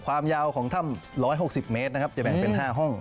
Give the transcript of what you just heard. ความยาวของถ้ำ๑๖๐เมตรนะครับจะแบ่งเป็น๕ห้อง